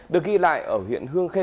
được ghi lại ở huyện hương khê